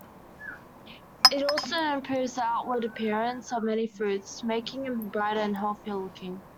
It also improves the outward appearance of many fruits, making them brighter and healthier-looking.